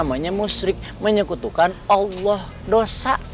namanya musrik menyekutukan allah dosa